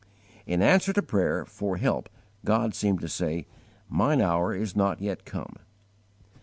In answer to prayer for help God seemed to say, "Mine hour is not yet come."